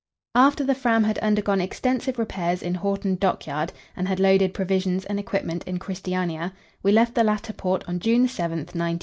After the Fram had undergone extensive repairs in Horten Dockyard, and had loaded provisions and equipment in Christiania, we left the latter port on June 7, 1910.